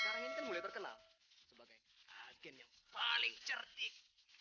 sekarang ini kan mulai terkenal sebagai agen yang paling cerdik